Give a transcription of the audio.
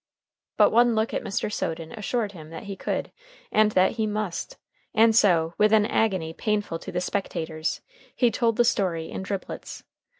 But one look at Mr. Soden assured him that he could and that he must, and so, with an agony painful to the spectators, he told the story in driblets.